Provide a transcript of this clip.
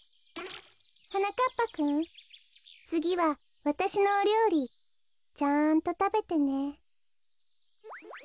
はなかっぱくんつぎはわたしのおりょうりちゃんとたべてね。